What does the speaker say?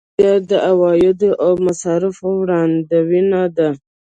بودیجه د عوایدو او مصارفو وړاندوینه ده.